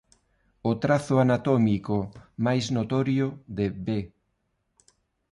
O trazo anatómico máis notorio de B.